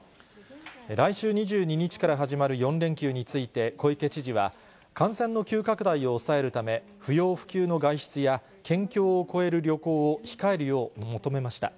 来週２２日から始まる４連休について、小池知事は、感染の急拡大を抑えるため、不要不急の外出や県境を越える旅行を控えるよう求めました。